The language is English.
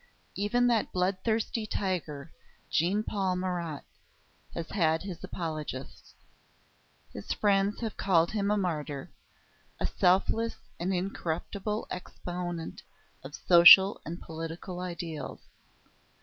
III Even that bloodthirsty tiger, Jean Paul Marat, has had his apologists. His friends have called him a martyr, a selfless and incorruptible exponent of social and political ideals.